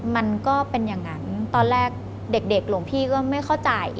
มันก็เป็นอย่างนั้นตอนแรกเด็กหลวงพี่ก็ไม่เข้าใจ